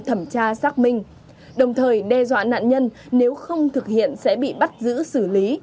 thẩm tra xác minh đồng thời đe dọa nạn nhân nếu không thực hiện sẽ bị bắt giữ xử lý